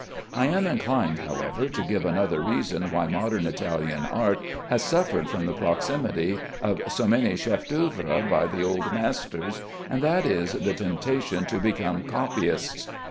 I am inclined, however, to give another reason why modern Italian art has suffered from the proximity of so many chefs d'œuvre by the old masters, and that is the temptation to become copyists.